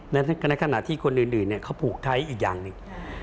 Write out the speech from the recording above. ในขณะที่คนอื่นเขาผูกไทยอีกอย่างหนึ่ง